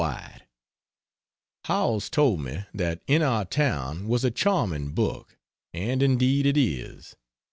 WHITE, Howells told me that "In Our Town" was a charming book, and indeed it is.